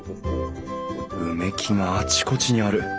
埋木があちこちある。